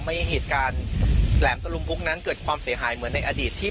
ให้เหตุการณ์แหลมตะลุมพุกนั้นเกิดความเสียหายเหมือนในอดีตที่